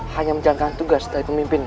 hanya menjalankan tugas dari pemimpin